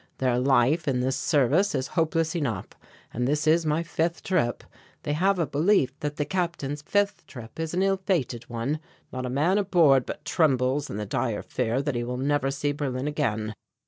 Their life in this service is hopeless enough and this is my fifth trip; they have a belief that the Captain's fifth trip is an ill fated one; not a man aboard but trembles in the dire fear that he will never see Berlin again.